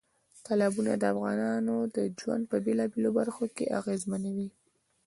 تالابونه د افغانانو ژوند په بېلابېلو برخو کې اغېزمنوي.